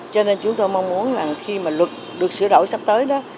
cho nên chúng tôi mong muốn là khi mà luật được sửa đổi sắp tới đó